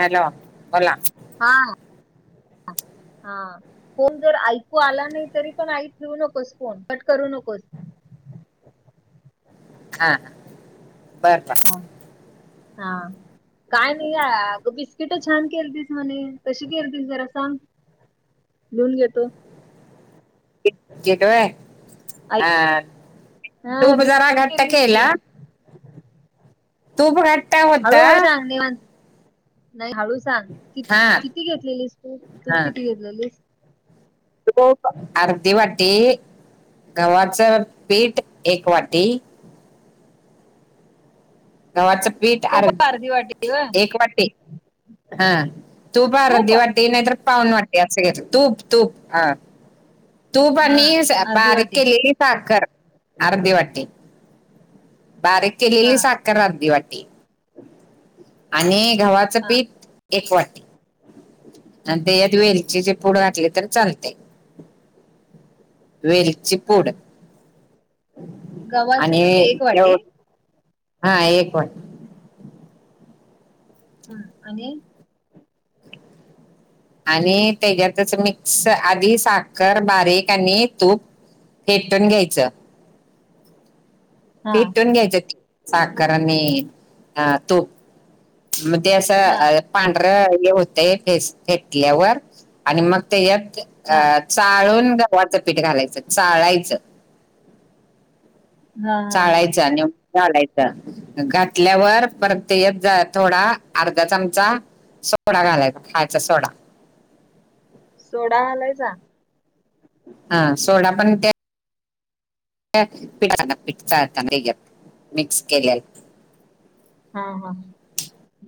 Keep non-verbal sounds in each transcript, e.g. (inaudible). Hello बोला हा (unintelligible) हा फोन जर ऐकू आला नही. तरी पण आई ठेवू नकोस फोन कट करू नकोस. हा हा बर बां ह हा काय नाय आग बिस्किट छान केलतीस म्हणे कशी केलतीस जरा सांग लिहून घेतो. केक केक व्हय. आई हा हा तूप जरा बिस्किट घट्ट केलीस की केला तूप घट्ट होत हळूहळू सांग निवांत नाही हळू सांग. कि हा किती घेतलेलीस तू तूप किती घेतलेलीस तूप अर्धी वाटी, गव्हाच पीठ एक वाटी गव्हाच पीठ तूप आर्र अर्धी वाटी ग एक वाटी हा. तूप अर्ध वाटी नायतर पावून वाटी असं घ्यायच तूप तूप ह तूप हा आणि स अर्धी बारीक वाटी केलेली साखर अर्धी वाटी बारीक हा केलेली साखर आर्धी वाटी आणि गव्हाचं हा पीठ एक वाटी आणि त्येजात वेलचीची पुड घातली तर चालते. वेलची पूड हा. गव्हाचं आणि पीठ एक वाटी तेव- हा एक वाटी हं आणि आणि त्याच्यातच मिक्स आधी साखर बारीक आणि तूप फेटून घ्यायच. हा फेटून घ्यायच साखर आणि अ तूप म ते अस हा अ पांढरं हे होतय फेस फेटल्यावर आणि मग त्याच्यात हा अ चाळून गव्हाचं पीठ घालायचं चाळायचं. हा हा चाळायच न घातल्यावर परत य थोडा अर्धा चमचा सोडा घालायचा. खायचा सोडा सोडा गालायचा हा. सोडा पण त्या पिठपठचाता रे मिक्स केले हा. हा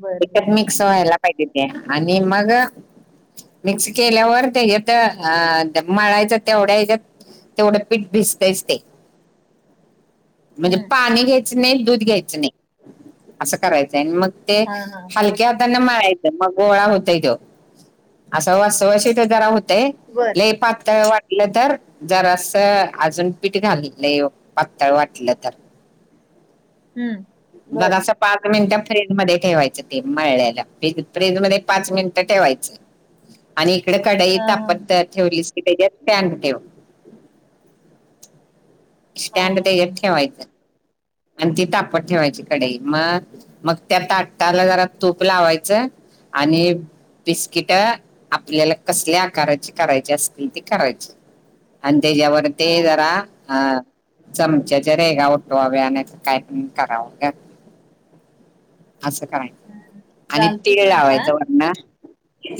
बर बर एकत मिक्स व्हायला पाहिजे. ते आणि मग मिक्स केल्यावर त्याच्यात मळायचं तेवढ्या हच्यात तेवढं पीठ भिजतच. म्हणजे हम्म पाणी घ्यायचं नाही. दूध घ्यायच नाही. असं करायचंय. मग ते हा हा हलक्या हतान मळाच मग गोळा होतय. तो असं वा श ते जरा होतेय. बरं लई पातळ वाटलं. तर जरा असं अजून पीठ घाललंय. पातळ वाटलं तर हम्म बर जरास, पीट पाच मिनिटं फ्रीज मध्ये ठेवायचं. ते मळला फ फ्रीज मध्ये पाच मिनिटं ठेवायचं. आणि इकडे कडई हा हा तापत्त. ठेवली. की त्याच्याॅन ठेव. हा हा स्टँड ते आणि ती तापत ठेवायची कडेई मग मग त्या ताटटाला जरा तूप लावायचं. आणि बिस्किट आपल्याला कसल्या आकाराची करायची असतील ते करायची. आणि त्याच्यावर हा ते हा जरा अ चमच्याच्या रेगा उठवाव्या आणि- काय करावं. असं कराय. हम्म आणि जालतीत तीळ ना लावायचं. छान वरण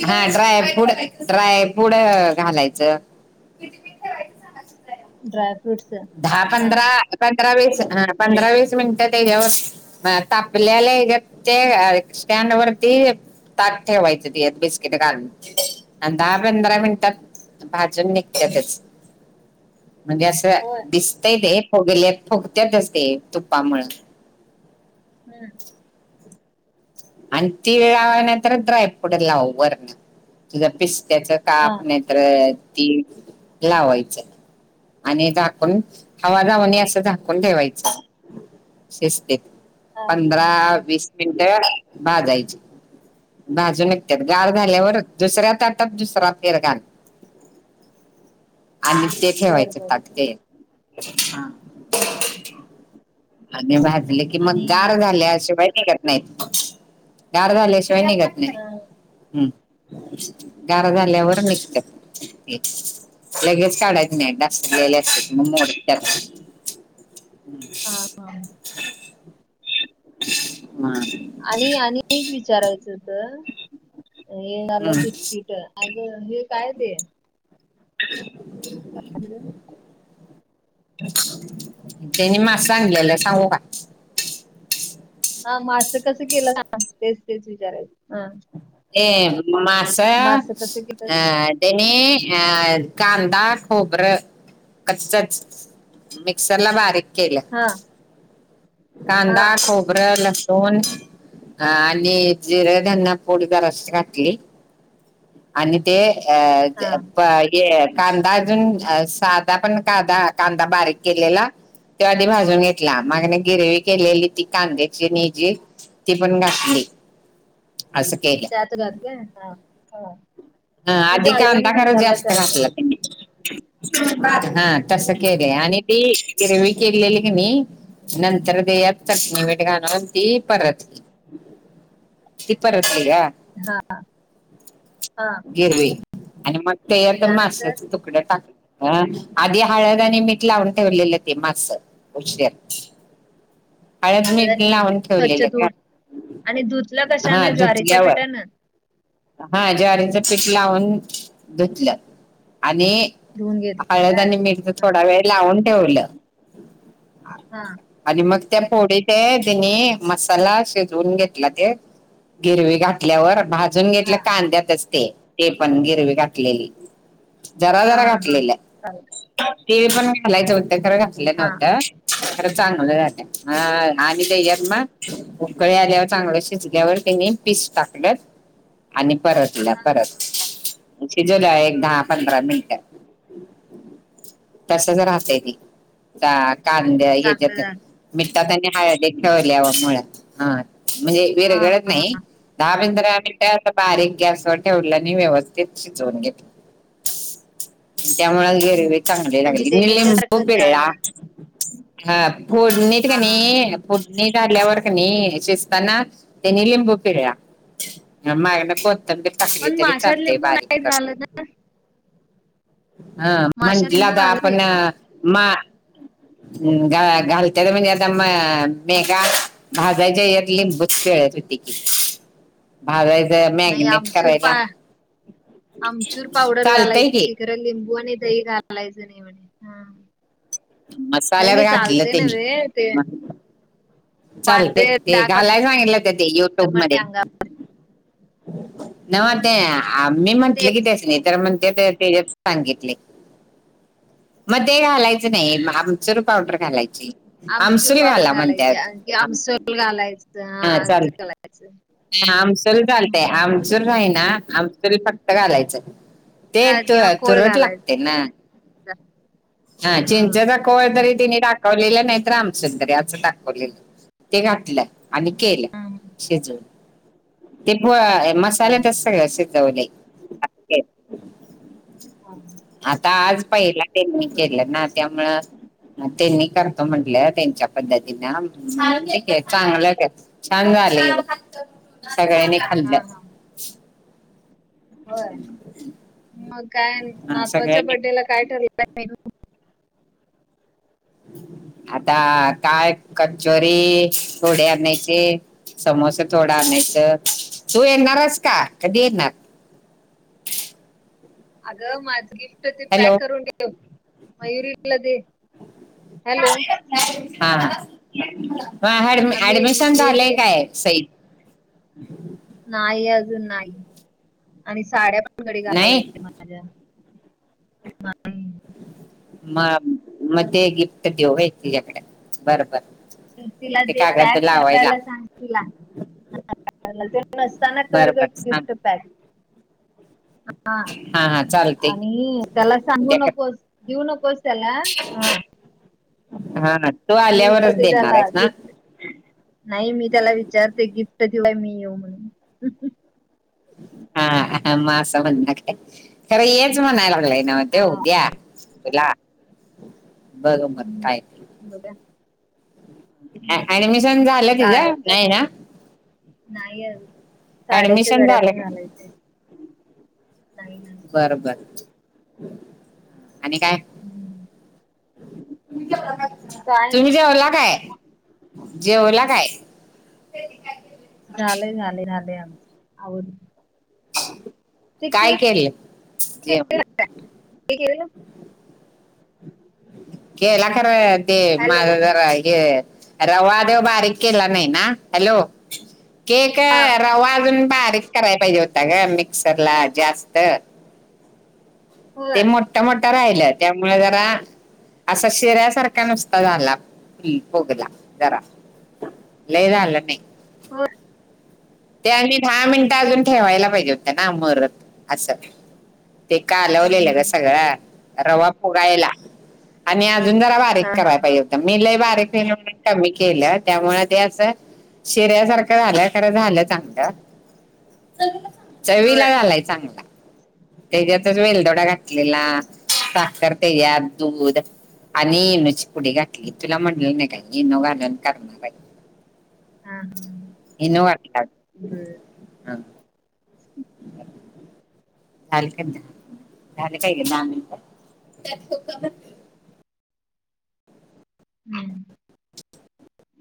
हा ड्राय फूड घालायचं. ड्राय फ्रूटस दहा हा पंधरा पंधरा वीस ह पंधरा वीस मिनिटं त्याच्यावर. म तापलेला इगत ते अ स्टँड वरती. ताट ठेवायचं ते बिस्किट घालून दहा पंधरा मिनिटात. भाजूण निघतातच म्हणजे असं होय दिसतंय ते फोगलेत फुगत्यातच ते तुपामुळे हम्म आणि तिळ लाव नाय तरं ड्रायफ्रूट लाव वरती तुझ्या पिस्त्याच. हा काप नाय तर तिळ लावायचं आणि झाकू हवा जाऊनी बर असं झाकून ठेवायचं शिजतंय हा हा पंधरा हा वीस. मिनटं भाजायची. भाजून निघतात गार झाल्यावर दुसऱ्या ताटात दुसरा फेर घाल आणि ते बर ठेवायच बर ताट ते. हा ह आणि भाजले की मग आणि गार झाल्याशिवाय निघत नाहीत गार झाल्याशिवाय निघत नाहीत. हा हम् गार झाल्यावर निघत्यात. लगेच काढायच नाही (unintelligible) होय असत मग मोडत्यात. हा (inaudible) हा हम्. आणि आणि एक विचारायचं होत हे आलं हम्म. बिस्किट अग हे काय ते (inaudible) (unintelligible) तेनी मांस आणलेलं सांगू का? हा मास कसं केलंसा? तेच तेच विचारायचं हा हे मांस मास कसं केलं अ तेनी अ कांदा, खोबर कच्चचं मिक्सरला बारीक केलं. हा हा कांदा, खोबर ल सून आणि जिर, धनपूड जरासं घातली आणि ते अ हा प ते कांदा अजून साधा पण कादा कांदा बारीक केलेला त्यो आधी भाजून घेतला मागन गिरवी केलेली ती कांद्याची आणि हेजी ती पण घातली. आसं केल. आसं (unintelligible) काय हा हा. हा म्हणजे आधी कांदा मालवणी खरं जास्त मसाल्यासारखं घातला तेनी हा. तसं केलय आणि ती गिरवी केलेली कनी नंतर तेच्यात चटणी, मीठ घालून ती परतली. ती परतली गं. हा, हा. गिरवी आणि मग ते आता त्यानंतर माश्याचे तुक ड टाक अ आधी हळद आणि मीठ लावून ठेवलेलं ते मास. उशर् हाळद, हळद मीठ आणि लावून स्वच्छ ठेवलेले गं. धुवून आणि धूतल कशान ज्वारीच्या पीठानं? हा ज्वारीचं पीठ लावून धुतलं आणि धुवून घेतलं हाळद का आणि आधी मिठ ज हा थोडा वेळ लावून ठेवलं. हां. आणि मग त्या फोडी ते तेनी मसाला शिजवून घेतला ते गिरवी घातल्यावर भाजून घेतलं हा कांद्यातच ते, ते पण गिरवी घातलेली जरा जरा हा हा घातलेल चालेल ते पण घालायच होत खर घातल हा हा नव्हत खरं चांगलं झालय. हा हां आणि तेज्यात म उकळी आल्यावर चांगलं शिजल्यावर त्यांनी पीस टाकलं, आणि परतल्या हा. परत शिजवल्या एक दहा पंधरा मिनट तसचं राहतय ते कां कांद्या चांगलं हेच्यात झालं मिठात आणि हाळदीत ठेवल्यामुळ हां म्हणजे हा विरगळत हा हा नाही, दाहा पंधरा मिन ट बारीक गॅसवर ठेवलं आणि व्यवस्थित शिजवून घेतलं. त्यामुळ हम्म गिरवी चांगली म्हणजे लागली. ते मी लिंबू ह्याच्यासारखंच पिळा झालं हा हा फोडणीत हा हा कनी फोडणी झाल्यावर कनी शिजताना त्यांनी लिंबू पिळा. मागन कोथंबीर टाकली पण तरी माशात चालतय लिंबू बारीक नाही घालत ना करू हा माशात म्हटलं लिंबू आता घालत आपण नाहीत ना मा हम् गा घालत्यात म्हणजे आता म मेघा भाजायच्या यात लिंबूच पिळत होते की. भाजायचं नाही मॅग्नेट आमचूर पा करायला आमचूर पावडर चालतंय की घालायची गं. (unintelligible) लिंबू आणि दही घालायच नाही म्हणे हा. नाही मसाल्यात नाही घातलं चालते त्यांनी नव्हे ते चालते पांढरे ते डाग पडतात घालाय सांगितलंत ते युट्यूबमध्ये. म्हणे अंगावर नव्हं ते आम्ही म्हंटल कि तेच त्यासनी तर म्हणत्यात तेज्यात सांगितलय मध्ये घालाय नाही आमचूर पावडर घालायची. आमचूर आमसूल पावडर घाला घालायचे आणखी म्हणतात आमसोल घालायचं हा असं घालायचं. आमसुल घालतय हम्म. आमचूर नाई ना आमसूल फक्त घालायचं. ते हा तू किंवा कोळ तूरट घालायचा लागते ना? हां हा चिंच घाल. होय तरी तिने टाकवलेलं नाही तर आमसूल त ते आ सच दाखवलेलं ते घातलं. आणि केलं शिजवून. ते प मसाला तच सगळ शिजवलय आक्के आता आज पहिला त्यांनी बर केलं ना त्यामुळं त्यांनी करतो म्हंटलं त्यांच्या पद्धतीनं चांगलं कि छांन झाले बघ सगळ्यांनी हां खाल्लं हा. होय म काय हा नातवाच्या सगळ्यांनी बडे ला काय ठरलंय आता काय कचोरी थोडी आणायचे. समोस थोडं आणायचं तू येणारस का? कधी येणार? अगं माझं गिफ्ट त ते हॅलो पॅक करून ठेव. मयूरी ला दे. हॅलो, ऍ हा हा ऍडमि आम्ही ऍडमिशन मी झालंय दे काय सई? नाई अजून नाई आणि साड्या पण घडी घालायच्या माझ्या. (inaudible) म म ते गिफ्ट देऊ व्हय तिज्याकडं बर बर. तर तिला ते कागद पॅक लावायला करायला सांग तिला. हा हालचल सताना बर कर बर ग सांग गिफ्ट पॅक. हा हा चालते की आणि त्याला सांगू उद्या कर नकोस. देऊ नकोस. त्याला हां. हां ना तो आल्यावरच विचारते त्याला देणारेस ना? गिफ्ट नाही मी त्याला विचारते गिफ्ट दिलाय मी येऊ म्हणून. हा हां म आसं म्हण ना काय खरं येच म्हणाय लागलंय. ना य हा. त उद्या उद्या बघ मग काय? बगूया. ऍ ऍडमिशन झालं तिझं. नाई ना? नाई अजून साड्याच्या ऍडमिशन घड्या झालं पण का घालायच्यायत. नाई. बरं बरं आणि काय? हम्म. काय तुम्ही नाही जेवला काय? जेवला काय? झालंय झालंय झालंय आमचं आवरलं. ते काय केक केलं जेवण (unintelligible) केला खरं ते हॅलो माझ जरा हे रवा तेव बारीक केला नाही ना हॅलो केक हां. रवा अजून बारीक कराय पाहिजे होता ग मिक्सर ला जास्त. होय ते मोट्टा मोट्टा राहिलय त्यामुळं जरा आसा शिऱ्यासारखा नुसता झाला हम फुगला जरा. लई झालं ते. हो. ते आणि् दहा मिनिटं अजून ठेवायला पाहिजे होत् ना मुरत आसं. ते हा कालवलेलं ग सगळं रवा फुगायला. आणि अजून जरा हा बारीक हा हा कराय हा पाहिजे होता. मी लय बारीक केल ते कमी केलं त्यामुळे ते आसं शिऱ्यासारखं झालं खरं झालं चांगलं. चवीला होय झालाय चांगला. तेज्यातच वेलदोडा घातलेला साखर तेज्यात दूध आणि इनोची पुडी घातली तुला मणल नाय काय इनो घालून करणार आय. हाम्. इनो (unintelligible) (inaudible) अ (inaudible) ल काय धल काय ग न मिट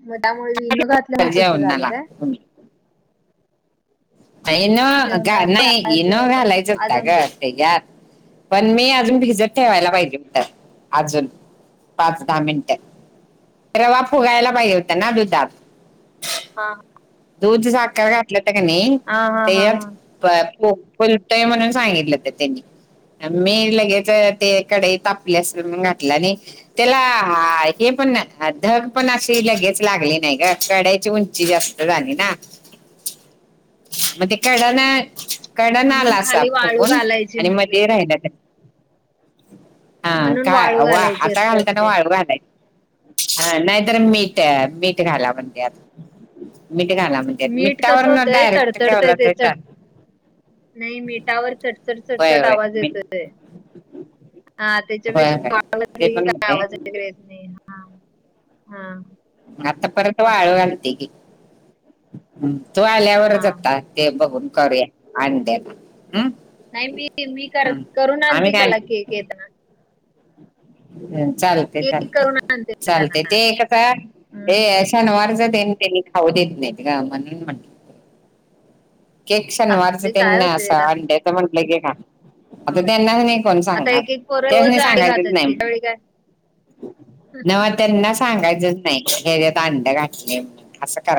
त्यामुळे इनो घातल्यामुळे तस झाल जेवणाला काय? तुम्ही इनो जेवणाला पण नाही आज इनो घालायचं आज होता आमच्या ग पण मी अजून भिजत ठेवायला पाहिजे होतात अजून पाच दहा मिनिटं रवा फुगायला पाहिजे होता ना दुधात हा दूध साखर घातलं होतं की नाही, हा हा ते हा हा एक फुलतोय म्हणून सांगितलं. ते त्यांनी मी लगेच ते कढई तापली असेल, मनुन घातलं नई त्याला हा, हे पण धग पण अशी लगेच लागली नाही ग कढईची उंची जास्त झाली ना. मग ते कड न कडन म्हणून आला असा खाली वाळू फुगून घालायची आणि म्हंटले मध्ये राहिला त्या हा म्हणून का वाळू वा घालायची आता असतात घालताना ते वाळू घालाय की, हा नाहीतर मीठ हम्म मीठ घाला मग त्यात मीठ कसं न होतंय डायरेक्ट तडतडतय ठेवला तरी त चालत नाही मिठावर चटचट होय चटचट होय आवाज मीठ येतो. हा होय होय त्याच्यापेक्षा ते की पण काय होते आवाज वगैरे येत नाही. हा, हा, आता परत असं होतंय वाळू ती कि वळल्यावरचं हा आता. ते बघून करूया आनऊयात हा नाही मी कर करून काय आणते (unintelligible) हम् चाल ते केक चालते, करून आणते त्यांना चालते. ते कस ते हम्म शनिवार च तेनी खाऊ देत नाहीत. म्हूणन म्हटल केक असू शनिवारचं दे काय तेन होते असअंड्याच म्हंटलं की हा आता त्यांना की नाही कोण आता सांगणार एक एक पोरं रोज त्यासनी अंडी सांगायचेच नाही. (unintelligible) नाव त्यांना सांगायचंच नाही यात आडं घातलं म्हणून असं करायच.